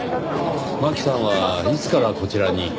マキさんはいつからこちらに？